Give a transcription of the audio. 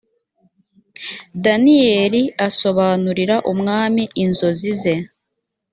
daniyeli asobanurira umwami inzozi ze